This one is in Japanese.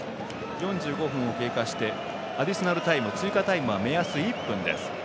４５分も経過してアディショナルタイムは目安は１分です。